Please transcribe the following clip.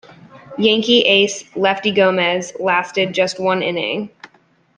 Yankee ace Lefty Gomez lasted just one inning.